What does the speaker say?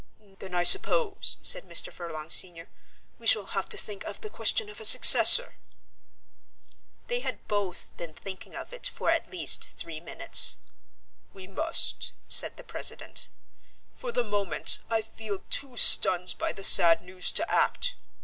"Then, I suppose," said Mr. Furlong senior, "we shall have to think of the question of a successor." They had both been thinking of it for at least three minutes. "We must," said the president. "For the moment I feel too stunned by the sad news to act.